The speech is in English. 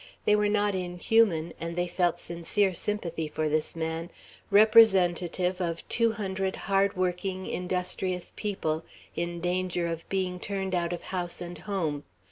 They were not inhuman, and they felt sincere sympathy for this man, representative of two hundred hard working, industrious people, in danger of being turned out of house and home.